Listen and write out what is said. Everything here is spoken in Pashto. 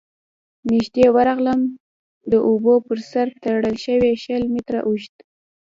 ، نږدې ورغلم، د اوبو پر سر تړل شوی شل متره اوږد،